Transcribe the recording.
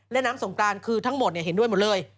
และน้ำสงกรานคือทั้งหมดเห็นด้วยหมดเลย